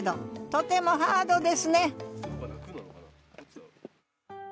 とてもハードですね